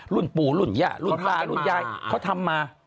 รุ่นปู่รุ่นย่ารุ่นตารุ่นยายเขาทำมา